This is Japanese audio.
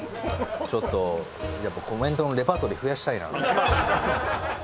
ちょっとやっぱコメントのレパートリー増やしたいな。